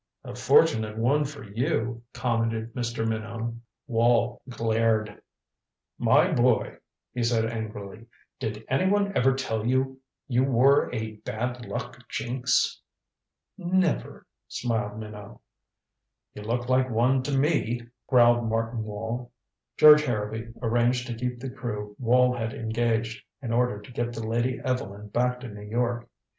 "A fortunate one for you," commented Mr. Minot. Wall glared. "My boy," he said angrily, "did any one ever tell you you were a bad luck jinx?" "Never," smiled Minot. "You look like one to me," growled Martin Wall. George Harrowby arranged to keep the crew Wall had engaged, in order to get the Lady Evelyn back to New York.